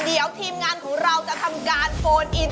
เดี๋ยวทีมงานของเราจะทำการโฟนอิน